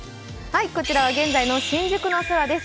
こちらは現在の新宿の空です。